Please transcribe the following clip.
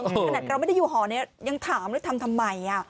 ขนาดเราไม่ได้อยู่หอนี้ยังถามเลยทำทำไม